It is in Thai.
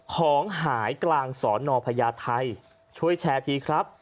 ของหายกลางสอนอพญาไทยช่วยแชร์ทีครับ